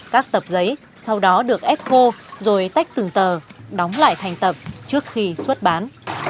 các tập giấy sau đó được ép khô rồi tách từng tờ đóng lại thành tập trước khi xuất bán